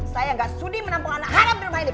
saya gak sudi menampung anak haram di rumah ini